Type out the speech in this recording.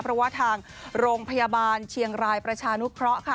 เพราะว่าทางโรงพยาบาลเชียงรายประชานุเคราะห์ค่ะ